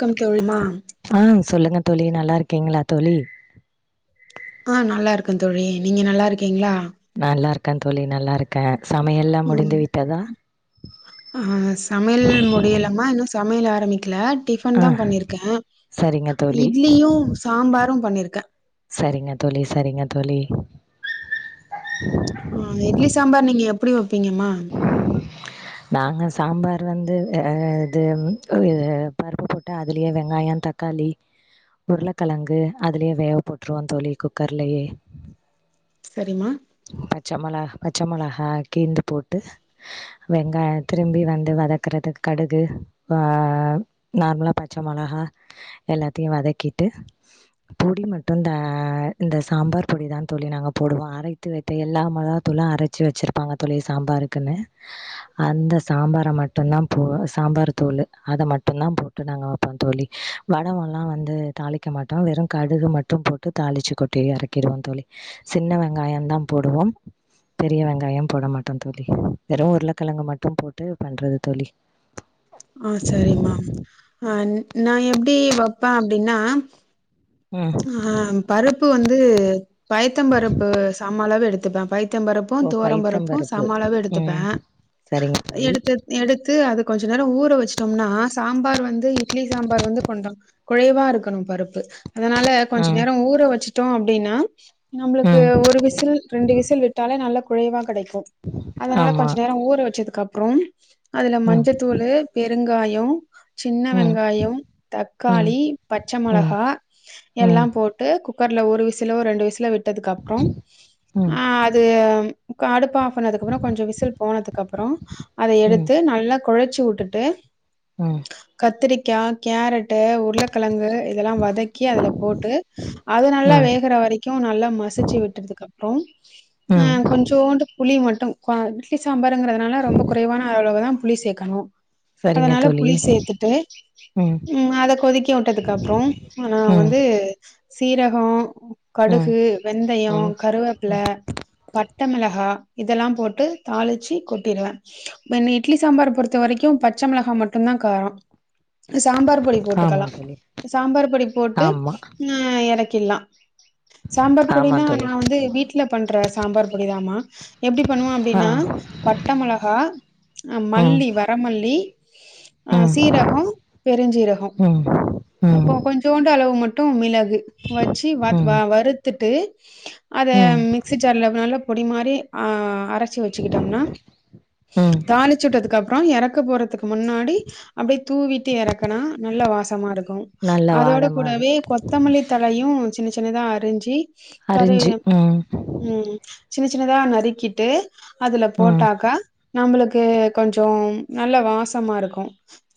Come தோழி மா ஆ சொல்லுங்க தோழி நல்லா இருக்கீங்களா தோழி ஆ நல்லா இருக்க தோழி நீங்க நல்லா இருக்கீங்களா நல்லார்க்கேன் தோழி நல்லா இருக்கே சமையல் எல்லா முடிந்து ம் விட்டதா ஆ சமையல் முடியலமா இன்னு சமையல் ஆரம்பிக்கல டிஃபன் ஆ தா பண்ணிருக்கே சரிங்க தோழி. இட்லியு சாம்பாரு பண்ணிருக்கே செரிங்க தோழி செரிங்க தோழி ம் இட்லி சாம்பார் நீங்க எப்படி வெப்பீங்கம்மா நாங்க சாம்பார் வந்து இது பருப்பு போட்டு அதுலேயே வெங்காயம் தக் தக்காளி உருளக்கழங்கு அதுலயே வேக போட்டுருவோம் தோழி குக்கர்லயே சரிமா பச்ச மொள பச்ச மொளகா கீந்து போட்டு வெங்காயம் திரும்பி வந்து வதக்குறதுக் கடுகு ஆ நார்மலா பச்ச மொளகா எல்லாத்தையு வதக்கிட்டு பொடி மட்டு இந்த இந்த சாம்பார் பொடி தான் தோழி நாங்க போடுவோ அரை த்து வைத்த எல்லா மொளகாத்தூல்லா அரச்சு வெச்சிருப்பாங்க தோழி சாம்பாருக்குன்னு அந்த சாம்பார மட்டுந்தா போ சாம்பாரு தூள்ளு அத மட்டுந்தா போட் வக்கான் தோழி வடகம் எல்லாம் வந்து தாளிக்க மாட்டோம் வெறும் கடுகு மட்டும் போட்டு தாளிச்சு கொட்டி எறக்கிடுவோ தோழி சின்ன வெங்காயம் தா போடுவோம் பெரிய வெங்காயம் போட மாட்டோ தோழி வெறு உருளக்கெழங்கு மட்டு போட்டு பண்றது தோழி [inaudible] ஆ‌ சரிமா அ நான் எப்டி வைப்பேன் அப்டின்னா ம் ஆ பருப்பு வந்து பைத்தம் பருப்பு சம அளவு எடுத்துப்பே பைத் த்தம் பருப்பு ஓ துவரம் பருப்பு பைத்தம்பருப்பு. சம அளவு எடுத்துப்பே ம். சரிங்க தோழி. எடுத்து எடுத்து அது கொஞ்ச நேரோ ஊற வச்சுட்டோம்னா சாம்பார் வந்து இட்லி சாம்பார் வந்து கொண்ட குலைவா இருக்கணு பருப்பு அதனால கொஞ்ச ம். நேரோ ஊற வச்சுட்டோ அப்படின்னா நம்மளுக்கு ம். ஒரு விசில் ரெண்டு விசில் விட்டாலே நல்ல குலைவா கடைக்கு அதனால ஆமா. கொஞ்ச நேரோ ஊற வச்சதுக் அப்புறம் அதுல ம். மஞ்சத் தூளு பெருங்காயோ சின்ன ம். வெங்காயம் ம். தக்காளி பச்ச ம். மொளகா ம். எல்லாம் போட்டு குக்கர்ல ஒரு விசிலோ ரெண்டு விசில விட் விட்டதுக் அப்புறம் ம். ஆ அது அடுப்பு ஆஃப்னதுக்குப்புறோ கொஞ்ச விசில் போனதுக்கு அப்புறோம் அத ம் எடுத்து நல்லா குழச்சு விட்டுட்டு உம் கத்தரிக்கா கேரட்டு உருளக்கெழங்கு இதெல்லா வ முக்கி அதுல போட்டு அது நல்லா ம் வேகற வரைக்கும் நல்லா மசிச்சி விட்றதுக்கு அப்புறம் ஆ ம் கொஞ்சோண்டு புளி மட்டும் இட்லி சாம்பாருங்கிறதுனால ரொம்ப குறைவான அளவு தான் புளி சேக்கனும் சரிங்க அதனால தோழி புளி சேத்துட்டு ம் உம் மேல கொதிக்க விட்டதுக்கு அப்றோம் நா ம் வந்து சீரகோ ம் கடுகு வெந்தயோ ம் கருவேப்பில பட்ட மெளகாய் இதெல்லாம் போட்டு தாளிச்சி கொட்டிடுவேன் இட்லி சாம்பார் பொறுத்த வரைக்கும் பச்சை மெளகா மட்டும்தா காரம் சாம்பார் பொடி ஆமா போட்டுக்கலாம் தோழி சாம்பார் பொடி போட்டு ஆமா ஆ இறக்கிட்லா சாம்பார் ஆமா பொடினா நா தோழி வந்து வீட் வீட்ல பண்ற சாம்பார் பொடிதாமா எப்டி பண்ணுவே ஆ அப்டின்னா பட்ட மெளகா ம் மல்லி வரமல்லி ஆ சீரகம் பெருஞ்சீரகம் உம் கொஞ்சோண்டு அளவு மட்டும் மிளகு வச்சி வ வ ம் வறுத்துட்டு அத ம் மிக்சி ஜார்ல நல்லா பொடி மாறி அ அரச்சி வச்சிக்கிட்டோம்னா ம் தாளிச்சுட்டதுக்கு அப்றோம் இறக்க போறதுக்கு முன்னாடி அப்டியே தூவிட்டு இறக்குனா நல்ல வாசமா இருக்கும் நல் அதோட கூடவே கொத்தமல்லி தலையும் சின்ன சின்னதா அரிஞ்சி கரு அரிஞ்சு ம் ம் சின்ன சின்னதா நறுக்கிட்டு அதுல ம் போட்டாக்க நம்மளுக்கு கொஞ்சம் நல்ல வாசமா இருக்கும்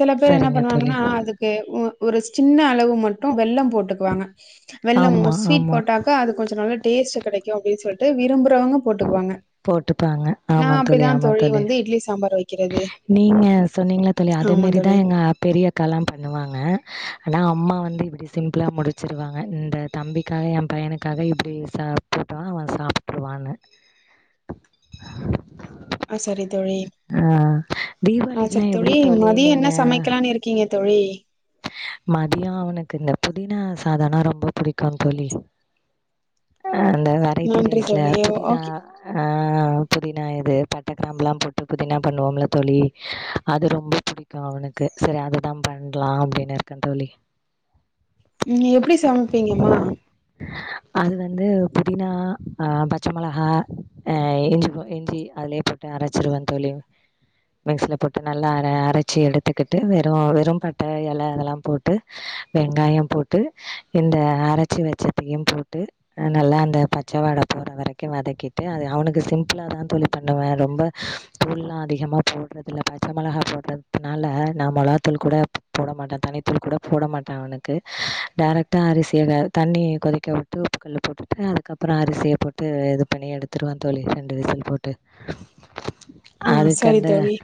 சில பேர் என்ன சரிங்க தோழி பண்ணுவாங்கன்னா அது க்கு ஒரு சின்ன அளவு மட்டும் வெல்லம் போட்டுக்குவாங்க வெள்ளம் ஆமா ஸ்வீட் ஆமா போட்டாக்க அது கொஞ்ச நல்லா டேஸ்ட் கெடைக்கும் அப்டின்னு சொல்லிட்டு விரும்புறவங்க போட்டுக்குவாங்க போட்டுப்பாங்க ஆமா நான் தோழி அப்படிதான் ஆமா தோழி வந்து இட்லி சம்பார் வக்கிற நீங்க சொன்னீங்களா தோழி அதே மாரிதா தோழி எங்க பெரிய கல்லாம் பண்ணுவாங்க ஆனா அம்மா வந்து இப்டி சிம்பிளாழ முடிச்சிருவாங்க இந்த தம்பிக்காக என் பையனுக்காக இப்டி சா போட்டவான் அவன் சாப்ட்ருவானு [inaudible] ஆ சரி தோழி ஆ தீபாவளிக்குலாம் எப்டி சரித்தோழி தோழி மதிய நீங்க என்ன சமைக்கலானு இருக் க்கீங்க தோழி மதியம் அவனுக்கு இந்த புதினா சாதம்னா ரொம்ப புடிக்கும் தோழி அ அந்த வெரைட்டி நன்றி ரைஸ்ல தோழி புதினா ஓகே ஆ புதினா இது பட்டை கிராம்புல்லாம் போட்டு புதினா பண்ணுவாங்கல்ல தோழி அது ரொம்ப பிடிக்கும் அவனுக்கு சரி அதுதா பண்லாம் அப்டின்னு இருக்கே தோழி நீங்க எப்டி சமைப்பீங்கம்மா [inaudible] அது வந்து புதினா அ பச்ச மெளகா அ இஞ்சி இஞ்சி அதுலயே போட்டு அரச்சிருவே தோழி மிக்சில போட்டு நல்லா அர அரச்சி எடுத்துக்கிட்டு வெறும் வெறும் ப பட்ட இலை அதெல்லாம் போட்டு வெங்காயம் போட்டு இந்த அரச்சு வச்சதையும் போட்டு நல்லா அந்த பச்ச வாடை போற வரைக்கும் வதக்கிட்டு அது அவனுக்கு சிம்பிளா தா தோழி பண்ணுவே ரொம்ப தூள்லா அதிகமாக போட்றது இல்ல பச்ச மொளகா போட்றத்னால நா மொளாத்தூள் கூட போட மாட்டா தனித்தூள் கூட போட மாட்டா அவனுக்கு டைரெக்ட்டாக அரிசில தண்ணி கொதிக்க விட் டூப்பு கல் போட்டுப்ப அதுக்கப்பறோ அரிசிய போட்டு இது பண்ணி எடுத்துருவ தோழி ரெண்டு விசில் போட்டு ஆ சரி அதுக்கந்த தோழி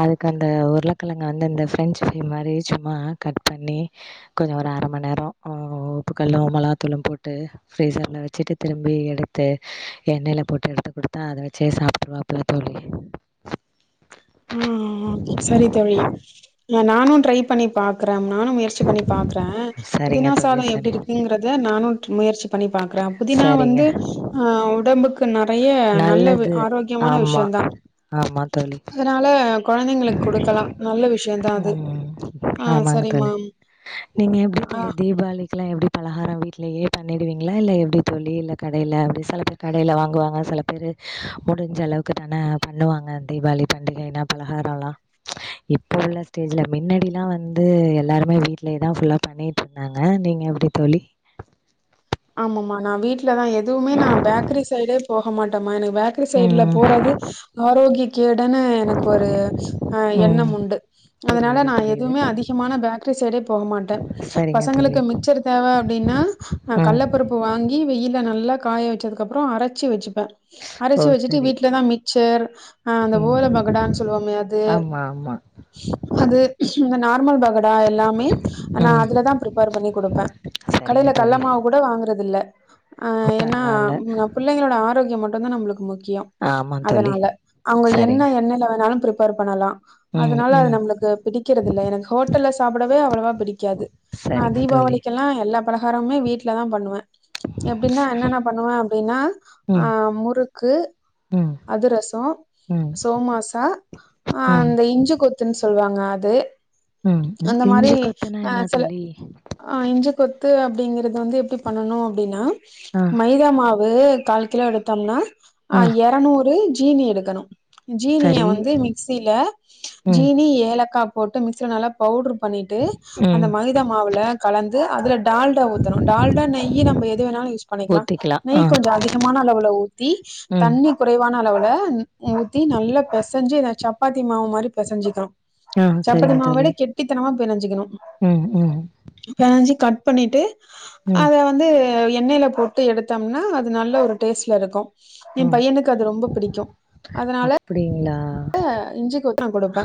அதுக்கு அந்த உருளக்கிழங்க வந்து அந்த ஃப்ரெஞ்சு ஃப்ரை மாதிரி சும்மா கட் பண்ணி கொஞ்சோ ஒரு அர மணி நேரோ உப்பு கல்லும் மிளாத்தூளும் போட்டு ஃப்ரீஸரில் வச்சுட்டு திரும்பி எடுத்து எண்ணெயில போட்டு எடுத்து கொடுத்தா அத வச்சே சாப்டுருவா ப தோழி ம் ம் சரி தோழி நானு ட்ரை பண்ணி பாக்றே நானு முயற்சி பண்ணி பாக்றே சரிங்க புதினா தோழி சாதோ எப்டி சரி இருக்குங்கறத நானு முயற்சி பண்ணி பாக்றே புதினா சரிங்க வந்து ஆ உடம்புக்கு நறைய நல்லது ஆரோக்கியமான ஆமா விஷ்யோ தா ஆமா தோழி அதனால கொழந்தைங்களுக்கு கொடுக்கலா நல்ல விஷ்யோ தா அது ம் ஆ ஆமாங்க தோழி சரிமாம் நீங்க எப்டி சொல்லி தீபாவளிக்கு எல்லா எப்டி பலகாரோ வீட்லயே பண்ணிடுவீங்களா இல்ல எப்டி தோழி இல்ல கடைல அப்டி சில பேர் கடையில வாங்குவாங்க சில பேர் முடிஞ்ச அளவுக்கு தானே பண்ணுவாங்க தீபாவளி பண்டிகைன்னா பலகாரல்லா இப்ப உள்ள ஸ்டேஜ்ல மின்னடில்லா வந்து எல்லாருமே வீட்லயேதா புல்லா பண்ணி நாங்க நீங்க எப்டி தோழி? ஆமாமமா நா வீட்ல தா எதுவுமே நா பேக்கரி சைடே போக மாட்டேம்மா எனக் பேக்ரி இரு சைடுல ம். போறது ஆரோக்கிய கேடுன்னு எனக் ஒரு அ ம். எண்ணம் உண்டு அதனால புரியுது, நா புரியுது. எதுமே அதிகமா பேக்கரி சைடே போக மாட்ட சரிங்க தோழி தேவ அப்டின்னா ம். கல்லப்பருப்பு வாங்கி வெயில்ல நல்லா காய வச்சதுக்கப்புறோ அரச்சி வச்சுப்ப ஓ! அரச்சி வச்சுட்டு சரி. வீட்லதா மிச்சர் அ அந்த ம். ஓல பக்கோடான்னு சொல்வோமே அது ஆமா, ஆமா அது இந்த நார்மல் பக்கோடா எல்லாமே நா ம். அதுலதா ப்ரிப்பேர் பண்ணி குடுப்ப சரிங்க தோழி கூட வாங்கறது இல்ல ஓ! ஏன்னா பரவால்ல. பிள்ளைங்களோட ஆரோக்கியோ மட்டுதா நம்பளுக்கு முக்கியோ ஆமா தோழி. அதனால அவங்க சரி. என்ன எண்ணெய்ல வேணாலு ப்ரிப்பேர் பண்ணலா ம் அதனால அது ம் நம்ளுக்கு பிடிக்கறதில்ல எனக் ஹோட்டல்ல சாப்பிடவே அவ்ளவா பிடிக்காது. நா சரிங்க தோழி தீபாவளிக்கெல்லா எல்லா பலகாரமுமே வீட்லதா பண்ணுவே ஸ் எப்டின்னா என்னன்ன பண்ணுவ அப்டின்னா ம் ஆ முறுக்கு ம் அதுரசோ ம் சோமாசா அ ம் அந்த இஞ்சு கொத்துன்னு சொல்லுவாங்க அது ம் ம் அந்த மாரி இஞ்சி கொத்துனா அ என்ன சில தோழி? ஆ இஞ்ச கொத்து அப்டிங்கறது வந்து எப்டி பண்ணனு அப்டின்னா ஆ மை தா மாவு கால் கிலோ எடுத்தம்னா அ ஆ எரநூறு ஜீனி எடுக்கணு ஜீனிய சரி வந்து மிக்சியில ம் ஜீனி ஏலக்கா போட்டு மிக்சியில நல்லா பவுடர் பண்ணிட்டு அந்த ம் மைதா மாவுல கலந்து அதுல டால்டா ஊத்தணு டால்டா நெய்யி நம்ம எது வேணாலு யூஸ் பண்ணிக்லா ஊத்திக்கலா நெய் ஆ கொஞ்சோ அதிகமான அளவுல ஊத்தி ம் தண்ணி குறைவான அளவுல மூத்தி நல்லா பெசஞ்சு சப்பாத்தி மாவு மாரி பெசஞ்சிக்கனு ஆ சப்பாத்தி சரிங்க மாவ விட தோழி கெட்டித்தனமா பெனஞ்சுக்கணு ம் ம் பெனஞ்சி கட் பண்ணிட்டு ம் அத வ வந்து எண்ணெயில போட்டு எடுத்தம்னா அது நல்ல ஒரு டேஸ்ட்ல இருக்கு எ ம் பையனுக்கு அது ரொம்ப பிடிக்கு அதனால அப்டிங்களா? அ இஞ்சிக் ஒத்தடொங் கொடுப்ப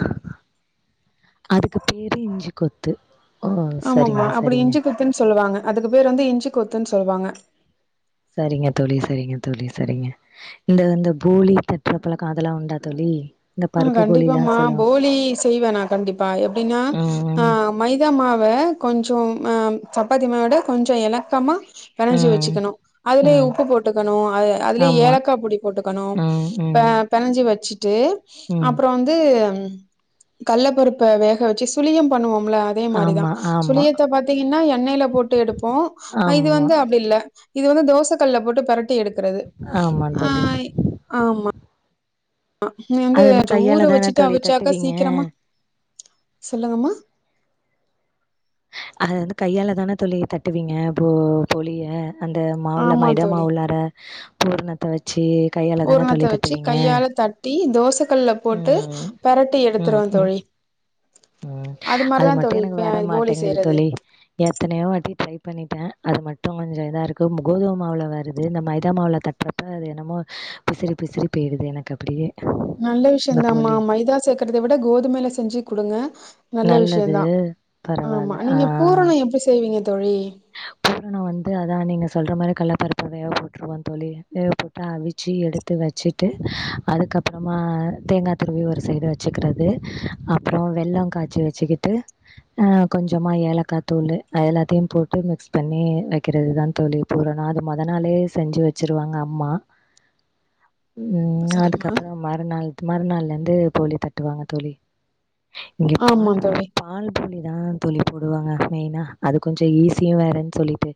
அதுக்கு பேரு இஞ்சி கொத்து ஓ சரிங்க ஆமாமா அப்டி சரிங்க இஞ்சி குத்துன் சொல்வாங்க அதுக்கு பேரு வந்து இஞ்சி கொத்தூன் சொல்வாங்க சரிங்க தோழி சரிங்க தோழி சரிங்க இந்த அந்த போலி தட்டுற பழக்கோ அதெல்லா உண்டா தோழி இந்த ஆ பருப்பு போலில்லா கண்டிப்பாம்மா சொல்லுவா போலி செய்வ நா கண்டிப்பா எப்டினா ஆ ம் ம் மைதா மாவ கொஞ்சொ அ சப்பாத்தி மாவவிட கொஞ்சொ எலக்கமா பெனஞ்சி ம் வெச்சுக்கணு அதுலயே ம் உப்பு போட்டுக்கணு அ அதுலயே ஆமா. ஏலக்கா பொடி போட்டுக்கணு ம், ப ம், பெனஞ்சி வெச்சுட்டு ம். அப்புறொ வந்து கள்ள பருப்ப வேக வச்சு சுளியம் பண்ணுவோம்ல அதே மாரிதா ஆமா, ஆமா, சுளியத்த பாத்தீங்கன்னா எண்ணெய்யில போட்டு எடுப்போ அ இது ஆமா, வந்து அப்படில்ல இது வந்து தோசை கல்லுல போட்டு பிராட்டி எடுக்கிறது ஆமா ஆ தோழி. ஆமா அ நீ வந்து அது கொஞ்ச ஊற கையால தான வச்சுட்டு தோழி அவிச்சாக்கா தட்டுவீங்க? சீக்கிரமா சொல்லுங்கம்மா அத வந்து கையால தானே போலியா தட்டுவீங்க போ போலியா அந்த மாவுல ஆமா மைதா தோழி மாவு உள்ளார பூர்ணத் பூரணத்த வச்சு கையால தட்டி தோசை கல்ல போட்டு ம், பெரட்டி எடுத்துருவ ம், ம். தோழி ம். அது மாரிதா மட்டும் தோழி எனக்கு ஆ வர போலி மாட்டேங்குது செய்றது தோழி. எத்தனையோ வாட்டி ட்ரை பண்ணிட்ட அது மட்டு கொஞ்சோ இதா இருக்கு கோதும மாவுல வருது இந்த மைதா மாவுல தட் பாத்த அது என்னமோ பிசிறி பிசிறி போயிடுது எனக்கு அப்டியே நல்ல விஷயந்தாம்மா மைதா சேர்க்கறத விட கோதுமைல செஞ்சி குடுங்க நல்ல நல்லது விஷயந்தா பரவால்ல. ஆமா நீங்க ஆ. புராணோ எப்டி செய்வீங்க தோழி பூரணோ வந்து அதா நீங்க சொல்ற மாரி கள்ளப்பருப்ப வேக போற்றுவே தோழி வேகப்போட்டு அவிச் ச்சி எடுத்து வச்சுட்டு அதுக்கப்புறமா தேங்கா துருவி ஒரு சைடு வச்சு சுக்கிறது அப்புற வெள்ளோ காச்சி வச்சுக்கிட்டு ஆ கொஞ்சமா ஏலக்கா தூளு அத எல்லாத்தையு போட் டு மிக்ஸ் பண்ணி வைக்கிறதுதா தோழி பூரனோ அத மொத நாளே செஞ்சு வச்சிருவாங்க அம்மா ம் சரிம்மா அதுக்கப்பற மறுநாள் மறுநாள்ல இருந்து போலி தட்டுவாங்க தோழி இங்க பால் போலி அப்டிமா பால் போலிதா தோழி போடுவாங்க மெயினா அது கொஞ்சோ ஈசி சியு வேறன்னு சொல்லிட்டு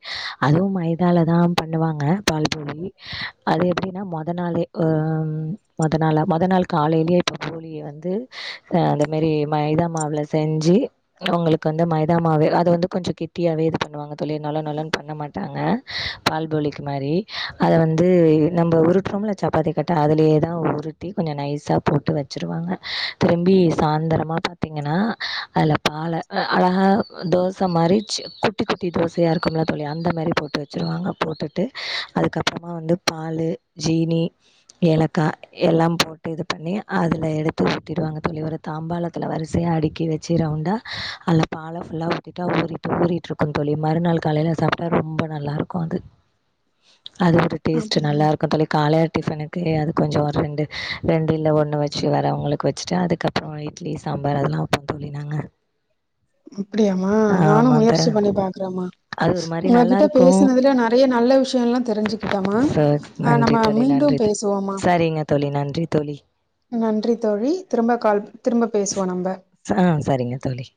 அதுவு மைதாலதா பண்ணுவாங்க பால் போலி அது எப்டின்னா மொத நாளே ஆ மொத நாள மொத நாள் காலையிலயே இப்போ போலிய வந்து அ அந்த மாரி மைதா மாவுல செஞ்சு உங்களுக்கு வந்து மைதாமாவு அது வந்து கொஞ்சோ கெட்டியாவே தா பண்ணுவாங்க தோழி நெலா நெலனு பண்ண மாட்டாங்க பால் போலிக்கு மாரி அத வந்து நம்ம உருட் ருடுறோம்ல சப்பாத்தி கட்டா அதலயே தா உருட்டி கொஞ்சோ நைஸா போட்டு வச்சுருவாங்க திரும்பி சாயந்திரமா பாத்தீங்கன்னா அதுல பால அழகா தோசை மாரி சி கு குட்டிக்குட்டி தோசைய இருக்கும்ல தோழி அந்த மாரி போட்டு வச்சுருவாங்க போட்டுட்டு அதுக்கப்றோமா வந்து பாலு சீனி ஏலக்கா எல்லாம் போட்டு இது பண்ணி அதுல எடுத்து ஊத்திடுவாங்க தோழி ஒரு தாம்பாலத்துல வரிசையா அடுக்கி வச்சு ரவுண்டா அதுல பால ஃபுல்லா ஊத்திட்டா ஊறிட்டு ஊறிட்ருக்கும் க்கும் தோழி மறுநாள் காலையில அத சாப்ட்டா ரொம்ப நல்லாருக்கு அது அது ஒரு டேஸ்ட்டு நல்லாரு க்கு தோழி காலைல டிஃபனுக்கு அது கொஞ்சோ ஒரு ரெண்டு ரெண்டு இல்ல ஒன்னு வச்சு வரவுங்களுக்கு வச்சுட்டா அதுக்கப் போ இட்லி சாம்பார் அதெல்லா வைப்போ தோழி நாங்க அப்படியாமா நானும் ஆமாங்க. முயற்சி பண்ணி பாக்குறமா அது ஒரு மாரி உங்ககிட்ட நல்லாருக்கும். பேசுனதுல நெறைய நல்ல விஷயம் எல்லா தெரிஞ்சுகிட்டமா ச அ நன்றி நம்ம தோழி, மீண்டும் நன்றி. பேசுவோமா சரிங்க தோழி நன்றி தோழி நன்றி தோழி திரும்ப கால் திரும்ப பேசுவோ நம்ப ஆ சரிங்க தோழி